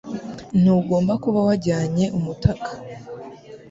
Ntugomba kuba wajyanye umutaka